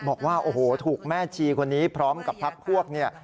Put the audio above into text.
บอกว่าโอ้โหถูกแม่ชีคนนี้พร้อมกับพักพวกเนี่ย